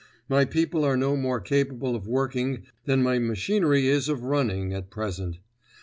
My people are no more capable of working than my machinery is of running at present.